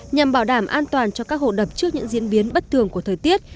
nhằm bảo đảm an toàn cho các hồ đập trước những diễn biến bất thường của thời tiết